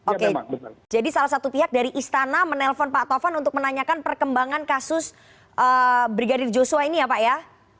oke jadi salah satu pihak dari istana menelpon pak tovan untuk menanyakan perkembangan kasus brigadir joshua ini ya pak ya